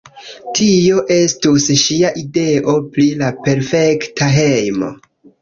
Tio estus ŝia ideo pri la perfekta hejmo.